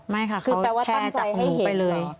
จะกันได้ค่ะเฃ่จากหนูไปเลย